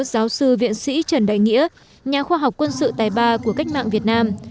giáo sư viện sĩ trần đại nghĩa nhà khoa học quân sự tài ba của cách mạng việt nam